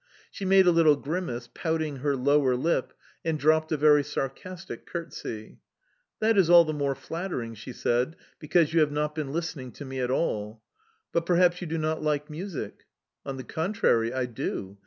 She made a little grimace, pouting her lower lip, and dropped a very sarcastic curtsey. "That is all the more flattering," she said, "because you have not been listening to me at all; but perhaps you do not like music?"... "On the contrary, I do...